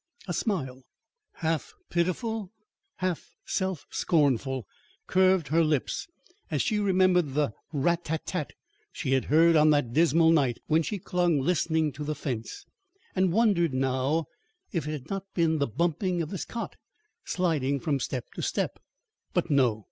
A smile, half pitiful, half self scornful curved her lips as she remembered the rat tat tat she had heard on that dismal night when she clung listening to the fence, and wondered now if it had not been the bumping of this cot sliding from step to step. But no!